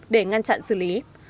để ngăn chặn xử lý